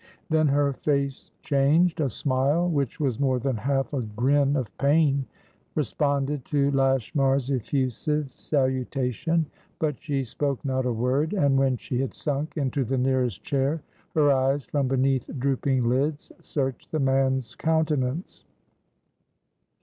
Then her face changed. A smile, which was more than half a grin of pain, responded to Lashmar's effusive salutation; but she spoke not a word, and, when she had sunk into the nearest chair, her eyes, from beneath drooping lids, searched the man's countenance.